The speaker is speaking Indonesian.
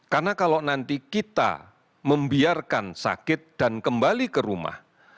karena kalau nanti kita membiarkan sakit dan kembali ke rumah